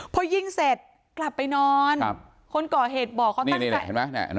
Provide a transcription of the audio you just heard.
พอยิงเสร็จกลับไปนอนคนก่อเหตุบอกเขาตั้งนี่แหละเห็นไหม